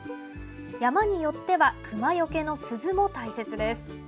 山によってはクマよけの鈴も大切です。